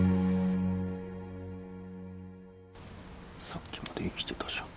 さっきまで生きてたじゃん。